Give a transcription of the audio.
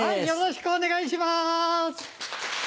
よろしくお願いします。